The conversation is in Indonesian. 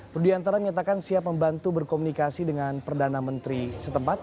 budiantara menyatakan siap membantu berkomunikasi dengan perdana menteri setempat